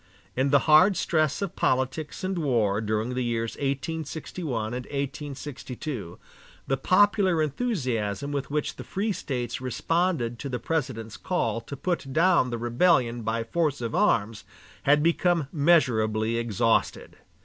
In the hard stress of politics and war during the years 1861 and 1862, the popular enthusiasm with which the free States responded to the President's call to put down the rebellion by force of arms had become measurably exhausted.